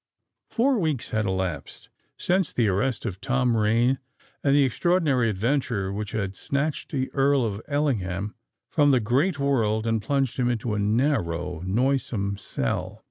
Four weeks had elapsed since the arrest of Tom Rain and the extraordinary adventure which had snatched the Earl of Ellingham from the great world and plunged him into a narrow—noisome cell.